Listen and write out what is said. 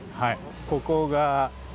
ここが。